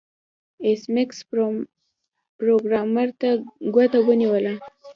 ایس میکس پروګرامر ته ګوته ونیوله